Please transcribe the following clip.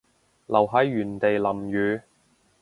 留喺原地淋雨